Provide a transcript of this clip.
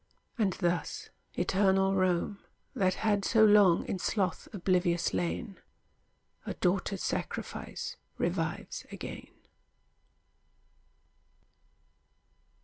And thus eternal Rome, That had so long in sloth oblivious lain, A daughter's sacrifice revives again.